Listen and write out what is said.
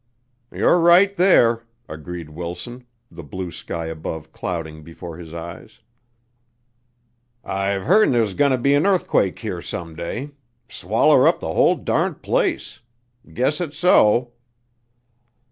"You're right there," agreed Wilson, the blue sky above clouding before his eyes. "I've heern there's goneter be an earthquake here some day. Swaller up the whole darned place. Guess it's so."